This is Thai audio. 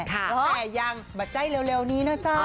แต่ยังบัดใจเร็วนี้นะจ๊ะ